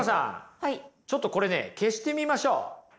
ちょっとこれね消してみましょう。